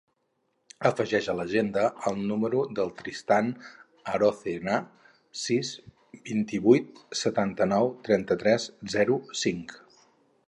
Afegeix a l'agenda el número del Tristan Arocena: sis, vint-i-vuit, setanta-nou, trenta-tres, zero, cinc.